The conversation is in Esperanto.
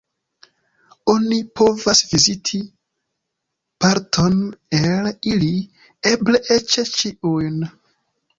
Oni povas viziti parton el ili, eble eĉ ĉiujn.